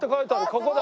ここだ。